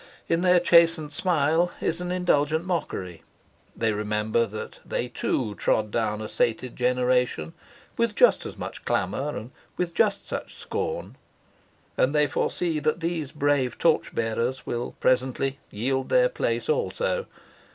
In their chastened smile is an indulgent mockery. They remember that they too trod down a sated generation, with just such clamor and with just such scorn, and they foresee that these brave torch bearers will presently yield their place also.